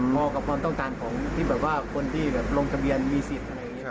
พอกับความต้องการของคนที่ลงทะเบียนมีสิทธิ์